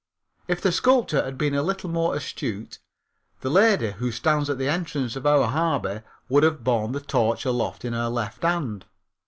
If the sculptor had been a little more astute the lady who stands at the entrance of our harbor would have borne the torch aloft in her left hand.